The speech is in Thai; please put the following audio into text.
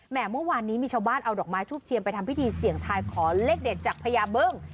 เมื่อวานนี้มีชาวบ้านเอาดอกไม้ทูบเทียมไปทำพิธีเสี่ยงทายขอเลขเด็ดจากพญาบึ้ง